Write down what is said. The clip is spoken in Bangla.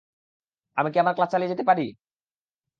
আমি কি আমার ক্লাস চালিয়ে যেতে পারি?